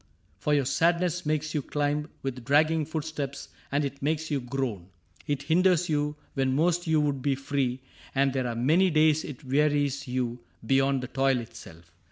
For your sadness makes you climb With dragging footsteps, and it makes you groan ; It hinders you when most you would be free. And there are many days it wearies you Beyond the toil itself.